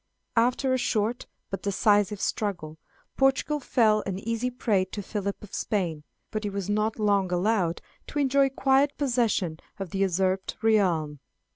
After a short but decisive struggle, Portugal fell an easy prey to Philip of Spain, but he was not long allowed to enjoy quiet possession of the usurped realm.